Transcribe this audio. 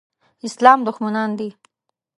اسلام دښمنان دي.